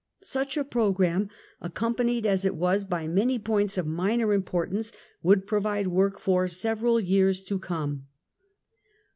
Such a programme, accompanied as it was by many points of minor importance, would provide work for several years to come.